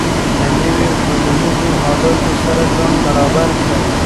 د نویو ټولنیزو حالاتو سره ځان برابر کړئ.